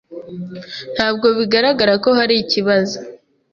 Ntabwo bigaragara ko hari ibibazo.